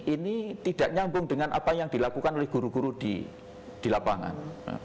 ini tidak nyambung dengan apa yang dilakukan oleh guru guru di lapangan